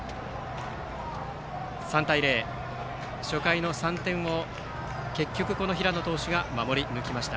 ３対０、初回の３点を結局この平野投手が守り抜きました。